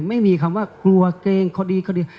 ไม่มีคำว่ากลัวเกรงคดีคดี